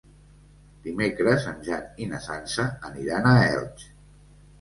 Dimecres en Jan i na Sança aniran a Elx.